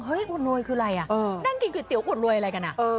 เฮ้ยอวดรวยคือไรอ่ะนั่งกินก๋วยเตี๋ยวกับอวดรวยอะไรกันอ่ะ